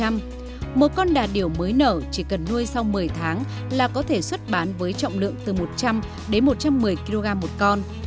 một con đà điểu mới nở chỉ cần nuôi sau một mươi tháng là có thể xuất bán với trọng lượng từ một trăm linh đến một trăm một mươi kg một con